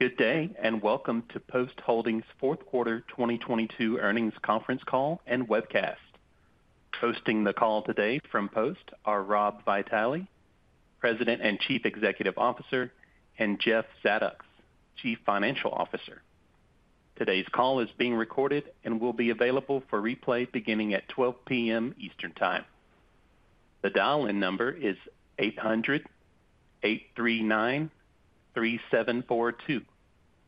Good day, and welcome to Post Holdings' fourth quarter 2022 earnings conference call and webcast. Hosting the call today from Post are Rob Vitale, President and Chief Executive Officer, and Jeff Zadoks, Chief Financial Officer. Today's call is being recorded and will be available for replay beginning at 12:00 P.M. Eastern Time. The dial-in number is 800-839-3742.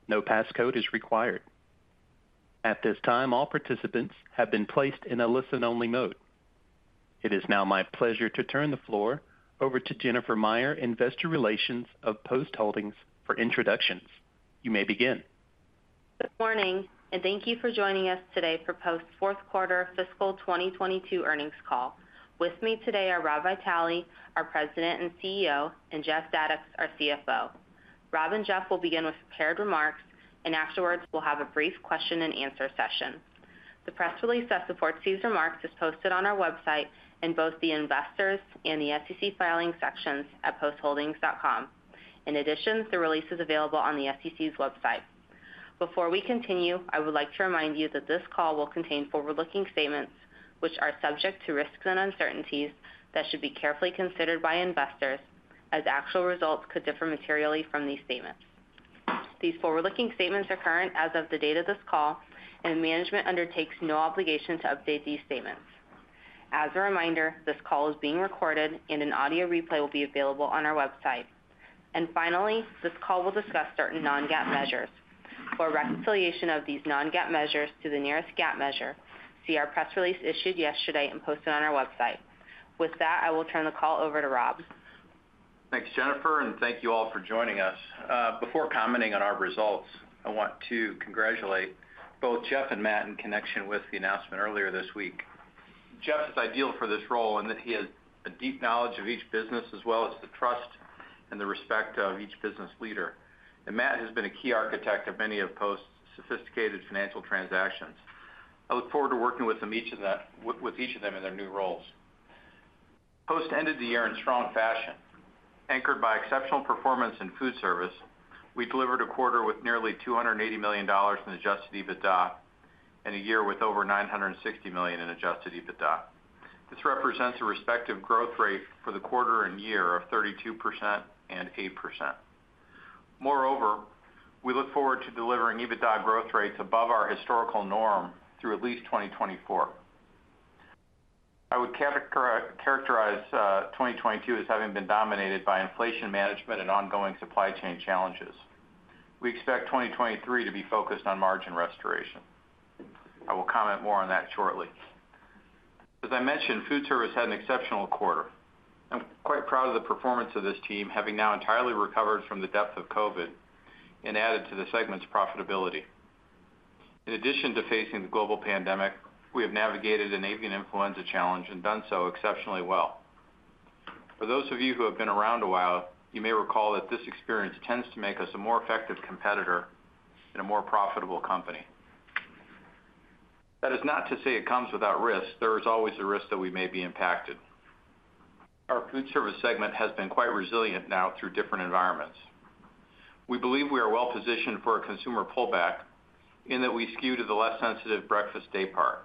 No passcode is required. At this time, all participants have been placed in a listen-only mode. It is now my pleasure to turn the floor over to Jennifer Meyer, Investor Relations of Post Holdings for introductions. You may begin. Good morning, and thank you for joining us today for Post's fourth quarter fiscal 2022 earnings call. With me today are Rob Vitale, our President and CEO, and Jeff Zadoks, our CFO. Rob and Jeff will begin with prepared remarks, and afterwards, we'll have a brief question-and-answer session. The press release that supports these remarks is posted on our website in both the investors and the SEC filing sections at postholdings.com. In addition, the release is available on the SEC's website. Before we continue, I would like to remind you that this call will contain forward-looking statements which are subject to risks and uncertainties that should be carefully considered by investors, as actual results could differ materially from these statements. These forward-looking statements are current as of the date of this call, and management undertakes no obligation to update these statements. As a reminder, this call is being recorded, and an audio replay will be available on our website. Finally, this call will discuss certain non-GAAP measures. For reconciliation of these non-GAAP measures to the nearest GAAP measure, see our press release issued yesterday and posted on our website. With that, I will turn the call over to Rob. Thanks, Jennifer, and thank you all for joining us. Before commenting on our results, I want to congratulate both Jeff and Matt in connection with the announcement earlier this week. Jeff is ideal for this role in that he has a deep knowledge of each business as well as the trust and the respect of each business leader. Matt has been a key architect of many of Post's sophisticated financial transactions. I look forward to working with each of them in their new roles. Post ended the year in strong fashion. Anchored by exceptional performance in food service, we delivered a quarter with nearly $280 million in Adjusted EBITDA and a year with over $960 million in Adjusted EBITDA. This represents a respective growth rate for the quarter and year of 32% and 8%. Moreover, we look forward to delivering EBITDA growth rates above our historical norm through at least 2024. I would characterize 2022 as having been dominated by inflation management and ongoing supply chain challenges. We expect 2023 to be focused on margin restoration. I will comment more on that shortly. As I mentioned, food service had an exceptional quarter. I'm quite proud of the performance of this team, having now entirely recovered from the depth of COVID and added to the segment's profitability. In addition to facing the global pandemic, we have navigated an avian influenza challenge and done so exceptionally well. For those of you who have been around a while, you may recall that this experience tends to make us a more effective competitor and a more profitable company. That is not to say it comes without risk. There is always a risk that we may be impacted. Our Foodservice segment has been quite resilient now through different environments. We believe we are well-positioned for a consumer pullback in that we skew to the less sensitive breakfast daypart.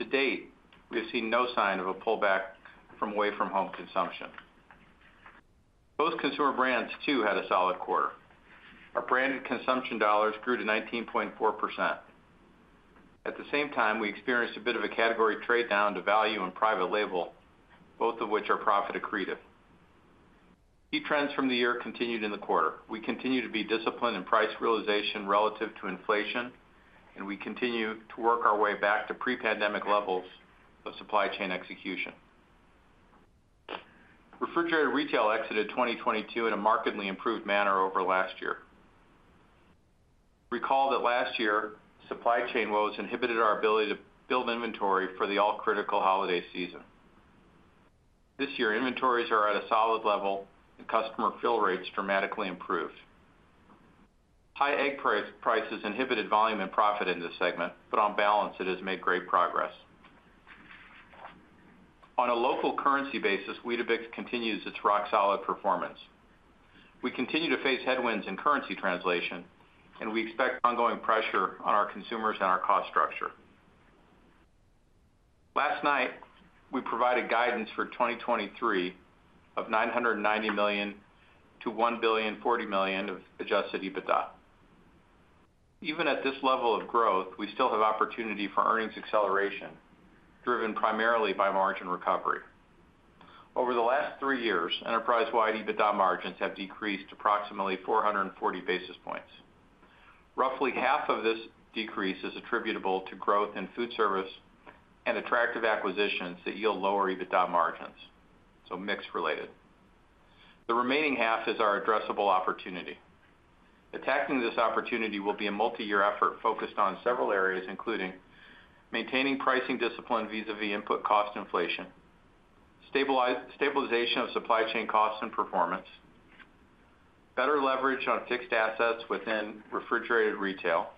To date, we have seen no sign of a pullback from away-from-home consumption. Post Consumer Brands, too, had a solid quarter. Our branded consumption dollars grew to 19.4%. At the same time, we experienced a bit of a category trade down to value and private label, both of which are profit accretive. Key trends from the year continued in the quarter. We continue to be disciplined in price realization relative to inflation, and we continue to work our way back to pre-pandemic levels of supply chain execution. Refrigerated Retail exited 2022 in a markedly improved manner over last year. Recall that last year, supply chain woes inhibited our ability to build inventory for the all-critical holiday season. This year, inventories are at a solid level, and customer fill rates dramatically improved. High egg prices inhibited volume and profit in this segment, but on balance, it has made great progress. On a local currency basis, Weetabix continues its rock-solid performance. We continue to face headwinds in currency translation, and we expect ongoing pressure on our consumers and our cost structure. Last night, we provided guidance for 2023 of $990 million-$1,040 million of Adjusted EBITDA. Even at this level of growth, we still have opportunity for earnings acceleration, driven primarily by margin recovery. Over the last three years, enterprise-wide EBITDA margins have decreased approximately 440 basis points. Roughly half of this decrease is attributable to growth in food service and attractive acquisitions that yield lower EBITDA margins, so mix-related. The remaining half is our addressable opportunity. Attacking this opportunity will be a multiyear effort focused on several areas, including maintaining pricing discipline vis-à-vis input cost inflation, stabilization of supply chain costs and performance, better leverage on fixed assets within refrigerated retail,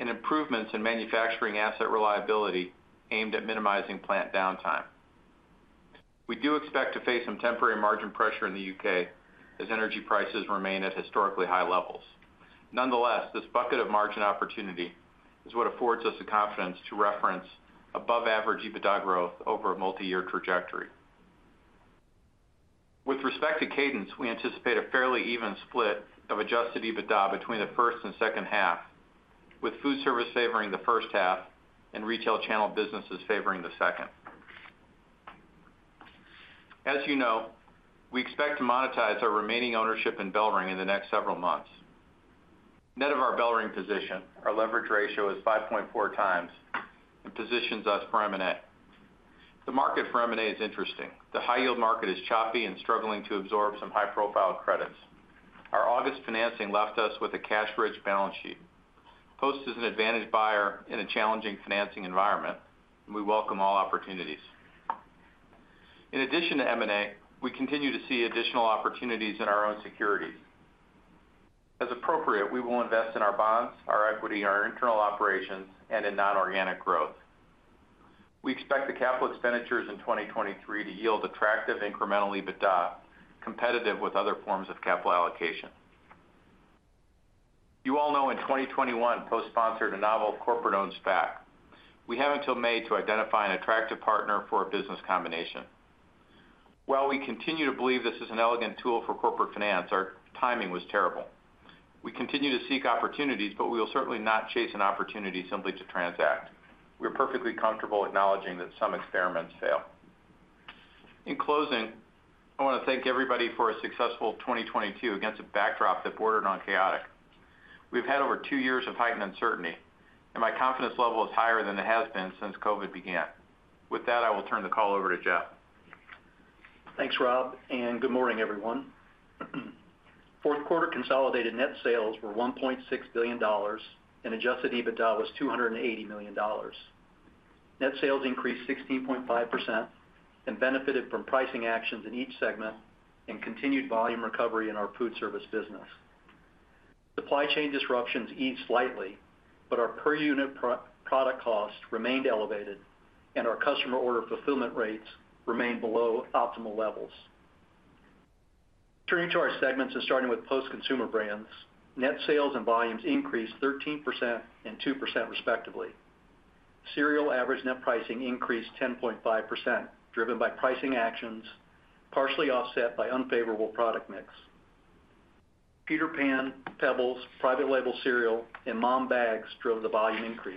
and improvements in manufacturing asset reliability aimed at minimizing plant downtime. We do expect to face some temporary margin pressure in the UK as energy prices remain at historically high levels. Nonetheless, this bucket of margin opportunity is what affords us the confidence to reference above-average EBITDA growth over a multiyear trajectory. With respect to cadence, we anticipate a fairly even split of Adjusted EBITDA between the first and second half, with food service favoring the first half and retail channel businesses favoring the second. As you know, we expect to monetize our remaining ownership in BellRing in the next several months. Net of our BellRing position, our leverage ratio is 5.4x and positions us for M&A. The market for M&A is interesting. The high-yield market is choppy and struggling to absorb some high-profile credits. Our August financing left us with a cash-rich balance sheet. Post is an advantaged buyer in a challenging financing environment, and we welcome all opportunities. In addition to M&A, we continue to see additional opportunities in our own securities. As appropriate, we will invest in our bonds, our equity, our internal operations, and in non-organic growth. We expect the capital expenditures in 2023 to yield attractive incremental EBITDA competitive with other forms of capital allocation. You all know in 2021, Post sponsored a novel corporate-owned SPAC. We have until May to identify an attractive partner for a business combination. While we continue to believe this is an elegant tool for corporate finance, our timing was terrible. We continue to seek opportunities, but we will certainly not chase an opportunity simply to transact. We're perfectly comfortable acknowledging that some experiments fail. In closing, I wanna thank everybody for a successful 2022 against a backdrop that bordered on chaotic. We've had over two years of heightened uncertainty, and my confidence level is higher than it has been since COVID began. With that, I will turn the call over to Jeff. Thanks, Rob, and good morning, everyone. Fourth quarter consolidated net sales were $1.6 billion and Adjusted EBITDA was $280 million. Net sales increased 16.5% and benefited from pricing actions in each segment and continued volume recovery in our food service business. Supply chain disruptions eased slightly, but our per unit product cost remained elevated and our customer order fulfillment rates remained below optimal levels. Turning to our segments and starting with Post Consumer Brands, net sales and volumes increased 13% and 2%, respectively. Cereal average net pricing increased 10.5%, driven by pricing actions, partially offset by unfavorable product mix. Peter Pan, PEBBLES, private label cereal, and Malt-O-Meal bags drove the volume increase.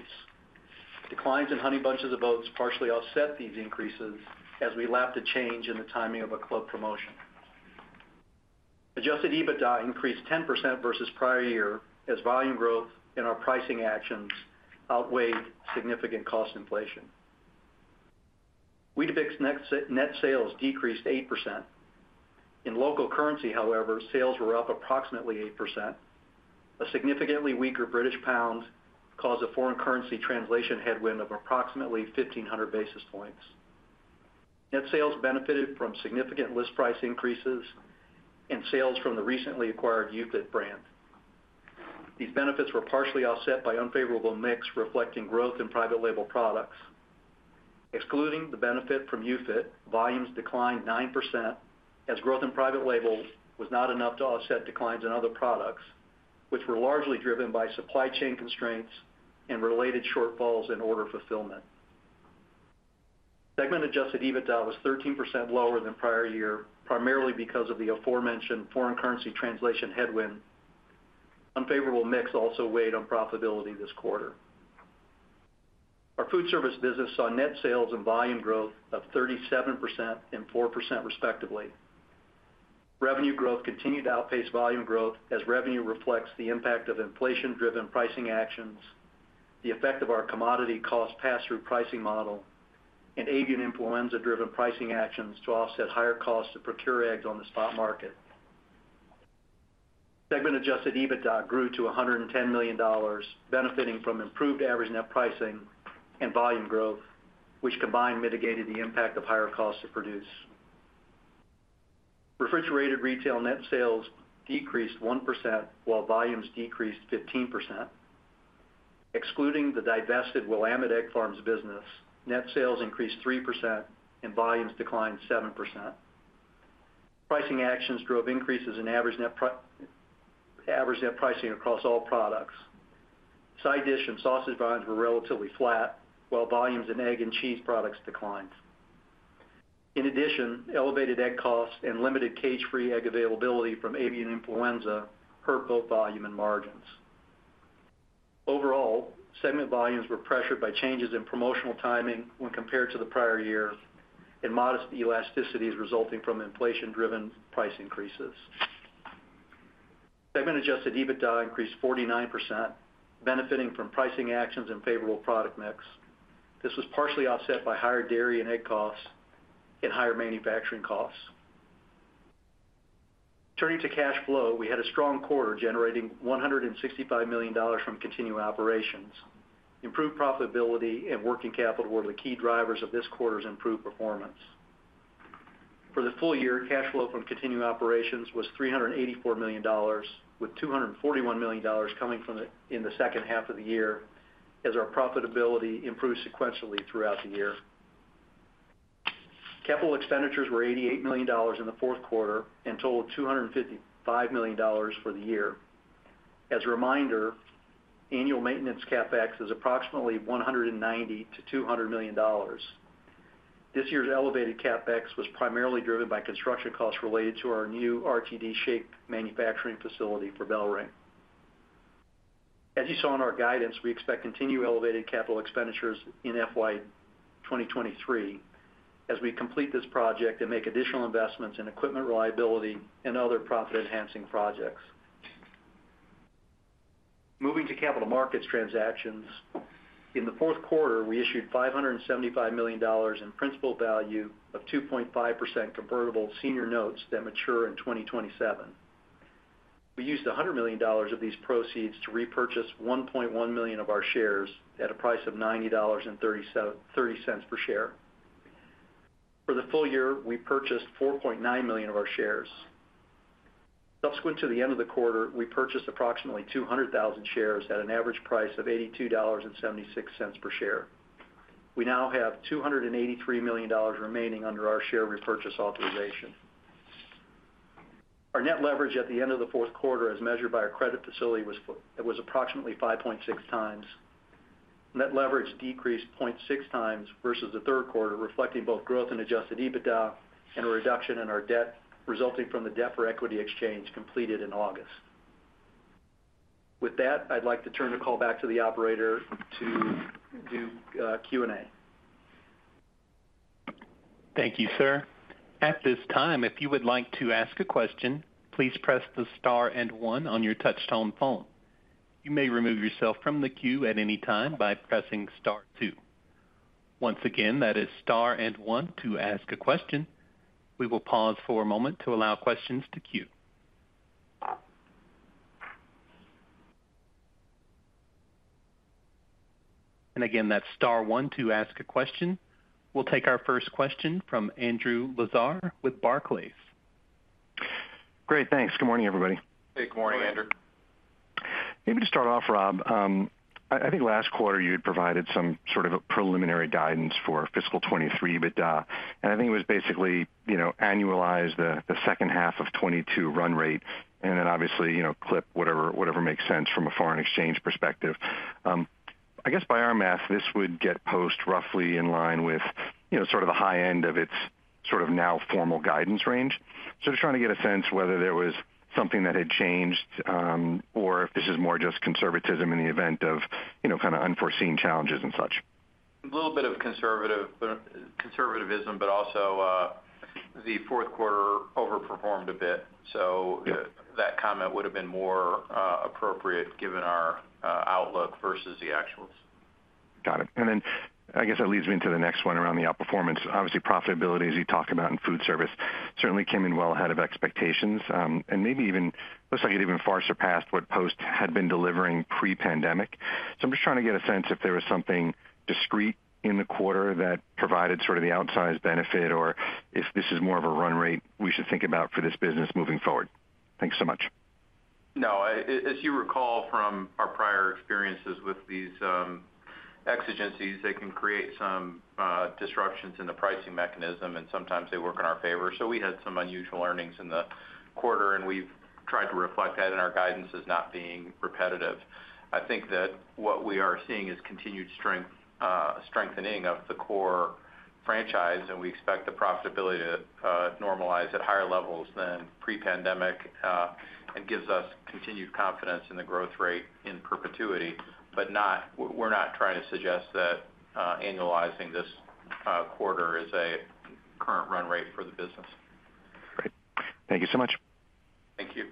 Declines in Honey Bunches of Oats partially offset these increases as we lapped a change in the timing of a club promotion. Adjusted EBITDA increased 10% versus prior year as volume growth in our pricing actions outweighed significant cost inflation. Weetabix net sales decreased 8%. In local currency, however, sales were up approximately 8%. A significantly weaker British pound caused a foreign currency translation headwind of approximately 1,500 basis points. Net sales benefited from significant list price increases and sales from the recently acquired UFit brand. These benefits were partially offset by unfavorable mix reflecting growth in private label products. Excluding the benefit from UFit, volumes declined 9% as growth in private label was not enough to offset declines in other products, which were largely driven by supply chain constraints and related shortfalls in order fulfillment. Segment Adjusted EBITDA was 13% lower than prior year, primarily because of the aforementioned foreign currency translation headwind. Unfavorable mix also weighed on profitability this quarter. Our food service business saw net sales and volume growth of 37% and 4%, respectively. Revenue growth continued to outpace volume growth as revenue reflects the impact of inflation-driven pricing actions, the effect of our commodity cost pass-through pricing model, and avian influenza-driven pricing actions to offset higher costs to procure eggs on the spot market. Segment Adjusted EBITDA grew to $110 million, benefiting from improved average net pricing and volume growth, which combined mitigated the impact of higher costs to produce. Refrigerated retail net sales decreased 1%, while volumes decreased 15%. Excluding the divested Willamette Egg Farms business, net sales increased 3% and volumes declined 7%. Pricing actions drove increases in average net pricing across all products. Side dish and sausage volumes were relatively flat, while volumes in egg and cheese products declined. In addition, elevated egg costs and limited cage-free egg availability from avian influenza hurt both volume and margins. Overall, segment volumes were pressured by changes in promotional timing when compared to the prior year and modest elasticities resulting from inflation-driven price increases. Segment Adjusted EBITDA increased 49%, benefiting from pricing actions and favorable product mix. This was partially offset by higher dairy and egg costs and higher manufacturing costs. Turning to cash flow, we had a strong quarter generating $165 million from continuing operations. Improved profitability and working capital were the key drivers of this quarter's improved performance. For the full year, cash flow from continuing operations was $384 million, with $241 million coming from in the second half of the year as our profitability improved sequentially throughout the year. Capital expenditures were $88 million in the fourth quarter and totaled $255 million for the year. As a reminder, annual maintenance CapEx is approximately $190 million-$200 million. This year's elevated CapEx was primarily driven by construction costs related to our new RTD shake manufacturing facility for BellRing. As you saw in our guidance, we expect continued elevated capital expenditures in FY 2023 as we complete this project and make additional investments in equipment reliability and other profit-enhancing projects. Moving to capital markets transactions. In the fourth quarter, we issued $575 million in principal value of 2.5% convertible senior notes that mature in 2027. We used $100 million of these proceeds to repurchase 1.1 million of our shares at a price of $90.30 per share. For the full year, we purchased 4.9 million of our shares. Subsequent to the end of the quarter, we purchased approximately 200,000 shares at an average price of $82.76 per share. We now have $283 million remaining under our share repurchase authorization. Our net leverage at the end of the fourth quarter, as measured by our credit facility, was approximately 5.6x. Net leverage decreased 0.6x versus the third quarter, reflecting both growth in Adjusted EBITDA and a reduction in our debt resulting from the debt-for-equity exchange completed in August. With that, I'd like to turn the call back to the operator to do Q&A. Thank you, sir. At this time, if you would like to ask a question, please press the star and one on your touchtone phone. You may remove yourself from the queue at any time by pressing star two. Once again, that is star and one to ask a question. We will pause for a moment to allow questions to queue. Again, that's star one to ask a question. We'll take our first question from Andrew Lazar with Barclays. Great. Thanks. Good morning, everybody. Good morning, Andrew. Maybe to start off, Rob, I think last quarter you had provided some sort of a preliminary guidance for fiscal 2023. I think it was basically, you know, annualize the second half of 2022 run rate and then obviously, you know, clip whatever makes sense from a foreign exchange perspective. I guess by our math, this would get Post roughly in line with, you know, sort of the high end of its sort of now formal guidance range. Just trying to get a sense whether there was something that had changed, or if this is more just conservatism in the event of, you know, kind of unforeseen challenges and such. A little bit of conservativism, but also the fourth quarter overperformed a bit. Yeah. That comment would have been more appropriate given our outlook versus the actuals. Got it. I guess that leads me into the next one around the outperformance. Obviously, profitability, as you talk about in food service, certainly came in well ahead of expectations and maybe even looks like it even far surpassed what Post had been delivering pre-pandemic. I'm just trying to get a sense if there was something discrete in the quarter that provided sort of the outsized benefit or if this is more of a run rate we should think about for this business moving forward. Thanks so much. No. As you recall from our prior experiences with these exigencies, they can create some disruptions in the pricing mechanism, and sometimes they work in our favor. We had some unusual earnings in the quarter, and we've tried to reflect that in our guidance as not being repetitive. I think that what we are seeing is continued strengthening of the core franchise, and we expect the profitability to normalize at higher levels than pre-pandemic and gives us continued confidence in the growth rate in perpetuity. We're not trying to suggest that annualizing this quarter is a current run rate for the business. Great. Thank you so much. Thank you.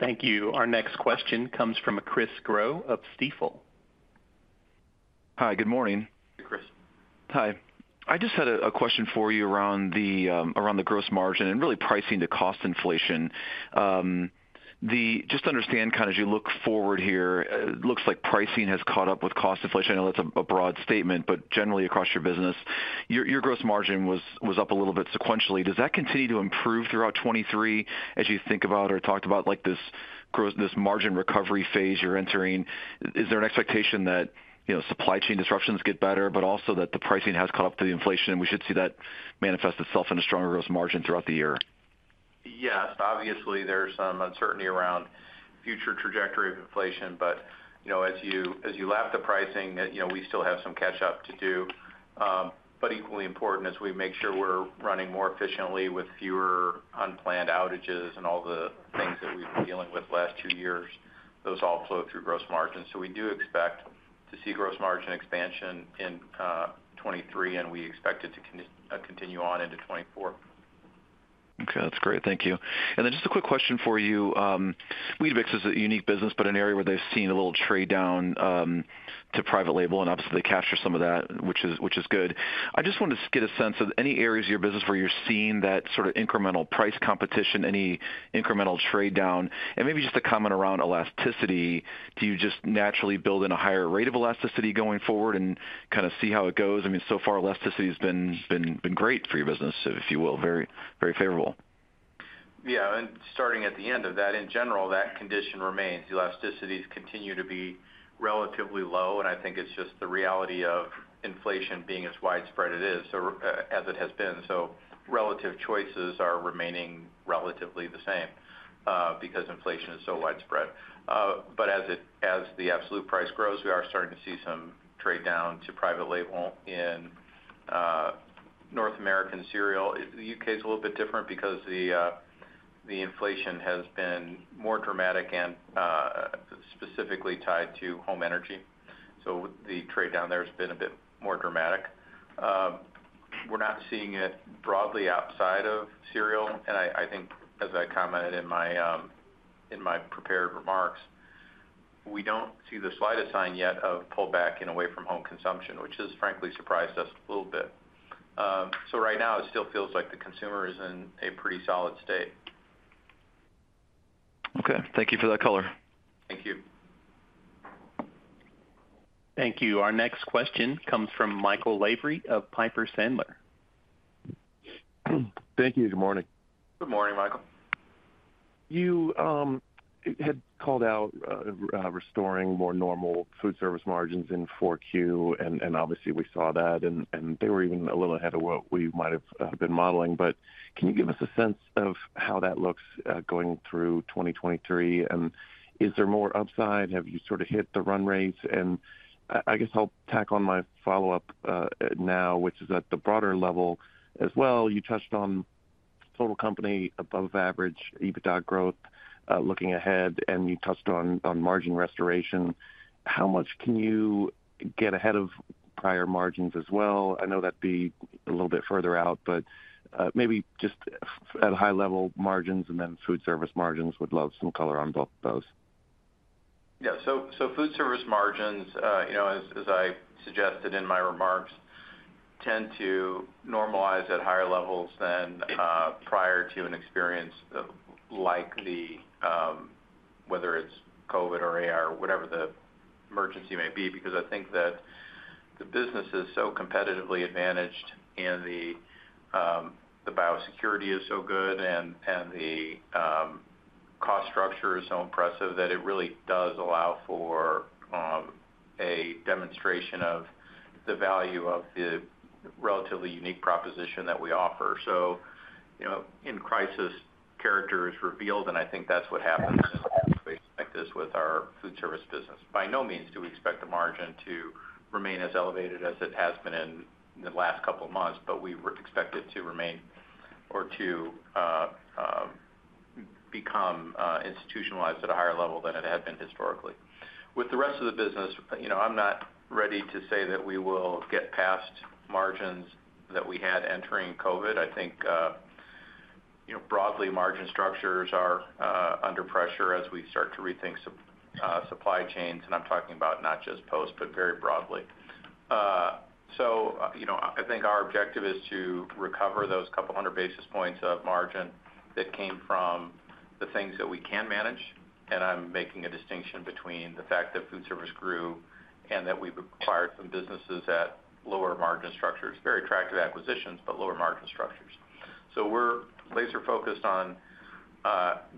Thank you. Our next question comes from Chris Growe of Stifel. Hi. Good morning. Hey, Chris. Hi. I just had a question for you around the gross margin and really pricing to cost inflation. Just to understand kind of as you look forward here, it looks like pricing has caught up with cost inflation. I know that's a broad statement, but generally across your business, your gross margin was up a little bit sequentially. Does that continue to improve throughout 2023 as you think about or talked about like this margin recovery phase you're entering? Is there an expectation that, you know, supply chain disruptions get better, but also that the pricing has caught up to the inflation, and we should see that manifest itself in a stronger gross margin throughout the year? Yes. Obviously, there's some uncertainty around future trajectory of inflation. You know, as you lap the pricing, you know, we still have some catch up to do. Equally important as we make sure we're running more efficiently with fewer unplanned outages and all the things that we've been dealing with last two years, those all flow through gross margin. We do expect to see gross margin expansion in 2023, and we expect it to continue on into 2024. Okay. That's great. Thank you. Just a quick question for you. Weetabix is a unique business, but an area where they've seen a little trade down to private label and obviously capture some of that, which is good. I just wanted to get a sense of any areas of your business where you're seeing that sort of incremental price competition, any incremental trade down, and maybe just a comment around elasticity. Do you just naturally build in a higher rate of elasticity going forward and kind of see how it goes? I mean, so far, elasticity has been great for your business, if you will. Very favorable. Yeah, starting at the end of that, in general, that condition remains. Elasticities continue to be relatively low, and I think it's just the reality of inflation being as widespread it is or as it has been. Relative choices are remaining relatively the same because inflation is so widespread. As the absolute price grows, we are starting to see some trade down to private label in North American cereal. The UK is a little bit different because the inflation has been more dramatic and specifically tied to home energy. The trade down there has been a bit more dramatic. We're not seeing it broadly outside of cereal. I think as I commented in my prepared remarks, we don't see the slightest sign yet of pullback in away from home consumption, which has frankly surprised us a little bit. Right now, it still feels like the consumer is in a pretty solid state. Okay. Thank you for that color. Thank you. Thank you. Our next question comes from Michael Lavery of Piper Sandler. Thank you. Good morning. Good morning, Michael. You had called out restoring more normal food service margins in Q4, and obviously we saw that, and they were even a little ahead of what we might have been modeling. Can you give us a sense of how that looks going through 2023? Is there more upside? Have you sort of hit the run rates? I guess I'll tack on my follow-up now, which is at the broader level as well. You touched on total company above-average EBITDA growth looking ahead, and you touched on margin restoration. How much can you get ahead of prior margins as well? I know that'd be a little bit further out, but maybe just at high-level margins and then food service margins would love some color on both those. Yeah. Food service margins, you know, as I suggested in my remarks, tend to normalize at higher levels than prior to an experience like whether it's COVID or A.I., whatever the emergency may be, because I think that the business is so competitively advantaged and the biosecurity is so good and the cost structure is so impressive that it really does allow for a demonstration of the value of the relatively unique proposition that we offer. You know, in crisis, character is revealed, and I think that's what happens like this with our food service business. By no means do we expect the margin to remain as elevated as it has been in the last couple of months, but we expect it to remain or to become institutionalized at a higher level than it had been historically. With the rest of the business, you know, I'm not ready to say that we will get past margins that we had entering COVID. I think, you know, broadly, margin structures are under pressure as we start to rethink supply chains, and I'm talking about not just Post, but very broadly. You know, I think our objective is to recover those couple 100 basis points of margin that came from the things that we can manage. I'm making a distinction between the fact that Foodservice grew and that we've acquired some businesses at lower margin structures, very attractive acquisitions, but lower margin structures. We're laser-focused on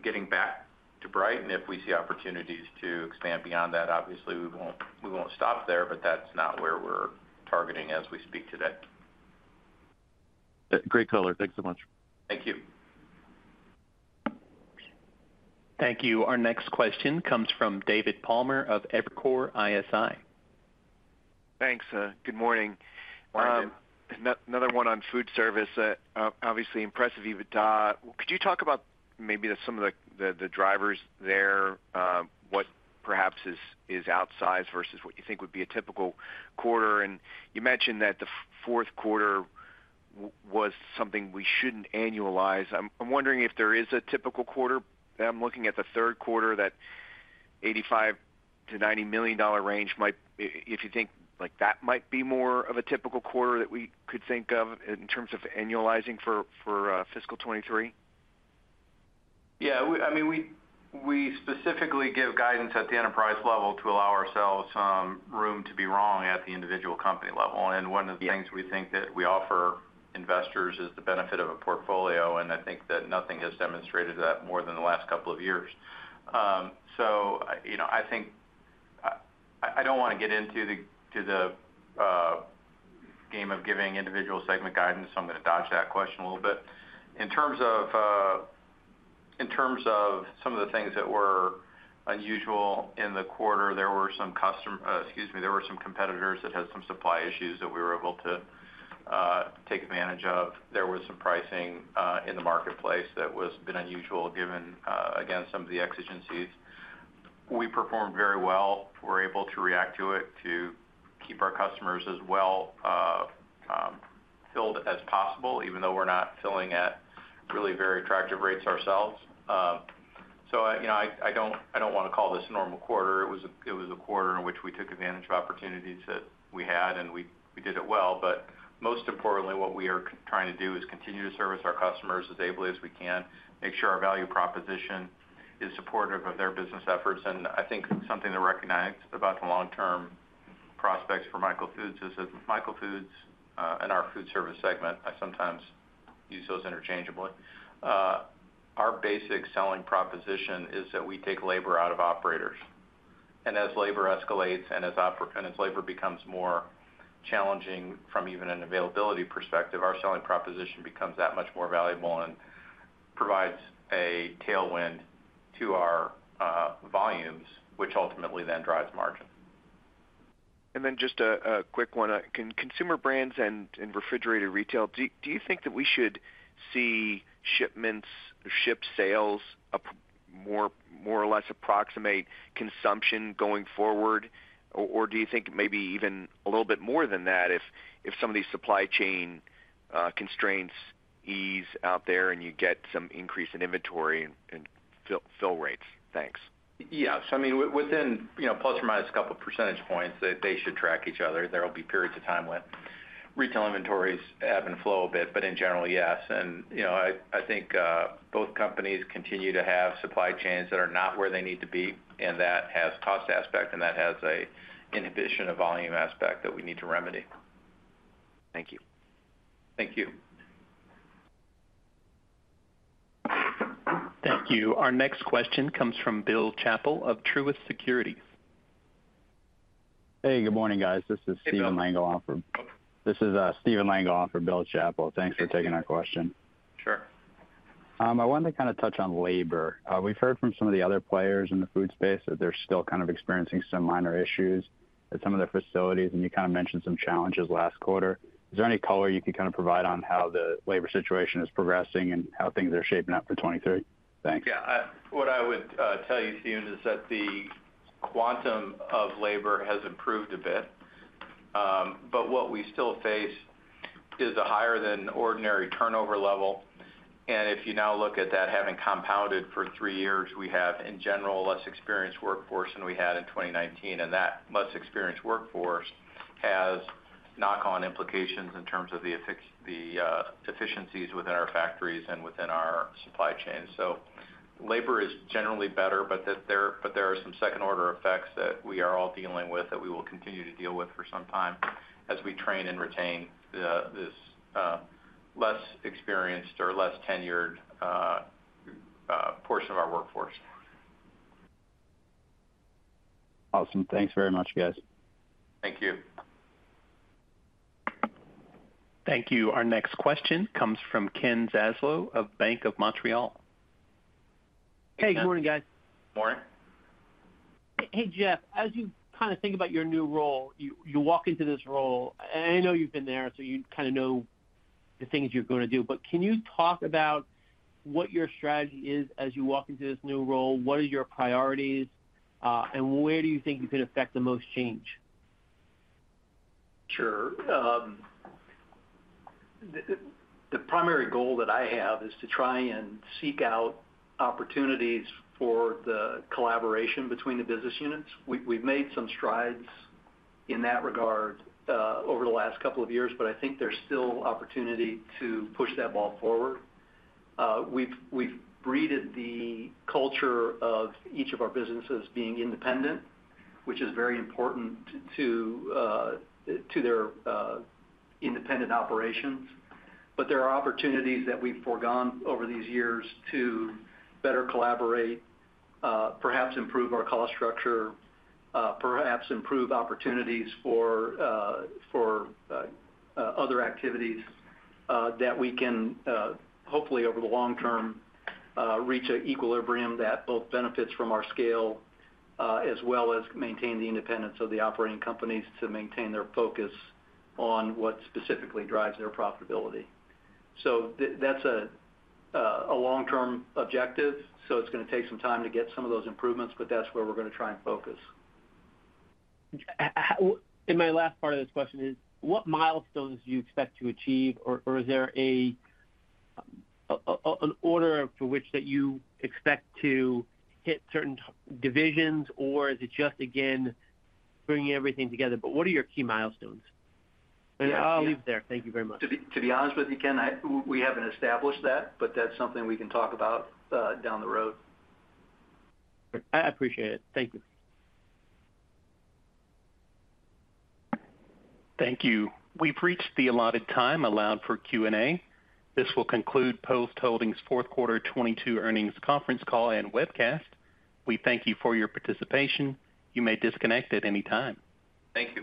getting back to prior. If we see opportunities to expand beyond that, obviously, we won't stop there, but that's not where we're targeting as we speak today. Great color. Thanks so much. Thank you. Thank you. Our next question comes from David Palmer of Evercore ISI. Thanks. Good morning. Morning, David. Another one on food service. Obviously impressive EBITDA. Could you talk about maybe some of the drivers there, what perhaps is outsized versus what you think would be a typical quarter? You mentioned that the fourth quarter was something we shouldn't annualize. I'm wondering if there is a typical quarter. I'm looking at the third quarter, that $85 million-$90 million range if you think like that might be more of a typical quarter that we could think of in terms of annualizing for fiscal 2023. Yeah, I mean, we specifically give guidance at the enterprise level to allow ourselves some room to be wrong at the individual company level. One of the things we think that we offer investors is the benefit of a portfolio, and I think that nothing has demonstrated that more than the last couple of years. You know, I don't wanna get into the game of giving individual segment guidance, so I'm gonna dodge that question a little bit. In terms of some of the things that were unusual in the quarter, there were some competitors that had some supply issues that we were able to take advantage of. There was some pricing in the marketplace that was been unusual given, again, some of the exigencies. We performed very well. We're able to react to it to keep our customers as well filled as possible, even though we're not filling at really very attractive rates ourselves. I, you know, I don't wanna call this a normal quarter. It was a quarter in which we took advantage of opportunities that we had, and we did it well. Most importantly, what we are trying to do is continue to service our customers as ably as we can, make sure our value proposition is supportive of their business efforts. I think something to recognize about the long term. Prospects for Michael Foods is that Michael Foods and our foodservice segment, I sometimes use those interchangeably. Our basic selling proposition is that we take labor out of operators. As labor escalates and as labor becomes more challenging from even an availability perspective, our selling proposition becomes that much more valuable and provides a tailwind to our volumes, which ultimately then drives margin. Just a quick one. Can Consumer Brands and Refrigerated Retail, do you think that we should see shipments or ship sales more or less approximate consumption going forward? Do you think maybe even a little bit more than that if some of these supply chain constraints ease out there and you get some increase in inventory and fill rates? Thanks. Yes. I mean, within, you know, ± a couple percentage points, they should track each other. There will be periods of time when retail inventories ebb and flow a bit, but in general, yes. You know, I think both companies continue to have supply chains that are not where they need to be, and that has cost aspect, and that has a inhibition of volume aspect that we need to remedy. Thank you. Thank you. Thank you. Our next question comes from Bill Chappell of Truist Securities. Hey, good morning, guys. This is. Hey, Bill. This is Steven Langoff for Bill Chappell. Thanks for taking our question. Sure. I wanted to kinda touch on labor. We've heard from some of the other players in the food space that they're still kind of experiencing some minor issues at some of their facilities, and you kinda mentioned some challenges last quarter. Is there any color you can kinda provide on how the labor situation is progressing and how things are shaping up for 2023? Thanks. Yeah. What I would tell you, Steven, is that the quantum of labor has improved a bit. What we still face is a higher than ordinary turnover level. If you now look at that having compounded for three years, we have, in general, less experienced workforce than we had in 2019, and that less experienced workforce has knock-on implications in terms of the efficiencies within our factories and within our supply chain. Labor is generally better, but there are some second order effects that we are all dealing with that we will continue to deal with for some time as we train and retain this less experienced or less tenured portion of our workforce. Awesome. Thanks very much, guys. Thank you. Thank you. Our next question comes from Ken Zaslow of Bank of Montreal. Hey, good morning, guys. Morning. Hey, Jeff, as you kinda think about your new role, you walk into this role. I know you've been there, so you kinda know the things you're gonna do. Can you talk about what your strategy is as you walk into this new role? What are your priorities and where do you think you can affect the most change? Sure. The primary goal that I have is to try and seek out opportunities for the collaboration between the business units. We've made some strides in that regard over the last couple of years, but I think there's still opportunity to push that ball forward. We've bred the culture of each of our businesses being independent, which is very important to their independent operations. There are opportunities that we've forgone over these years to better collaborate, perhaps improve our cost structure, perhaps improve opportunities for other activities that we can hopefully over the long term reach an equilibrium that both benefits from our scale as well as maintain the independence of the operating companies to maintain their focus on what specifically drives their profitability. That's a long-term objective, so it's gonna take some time to get some of those improvements, but that's where we're gonna try and focus. My last part of this question is, what milestones do you expect to achieve? Is there an order for which that you expect to hit certain divisions, or is it just again bringing everything together? What are your key milestones? Yeah. I'll leave it there. Thank you very much. To be honest with you, Ken, we haven't established that, but that's something we can talk about down the road. I appreciate it. Thank you. Thank you. We've reached the allotted time allowed for Q&A. This will conclude Post Holdings fourth quarter 2022 earnings conference call and webcast. We thank you for your participation. You may disconnect at any time. Thank you.